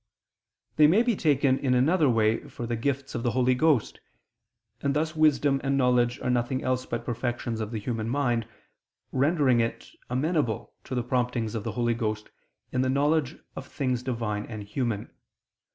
They may be taken in another way for the gifts of the Holy Ghost: and thus wisdom and knowledge are nothing else but perfections of the human mind, rendering it amenable to the promptings of the Holy Ghost in the knowledge of things Divine and human.